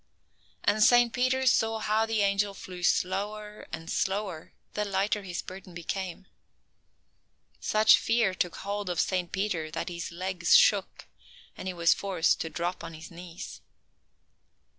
And Saint Peter saw how the angel flew slower and slower, the lighter his burden became. Such fear took hold of Saint Peter that his legs shook, and he was forced to drop on his knees.